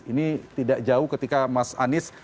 ini tidak jauh ketika mas anies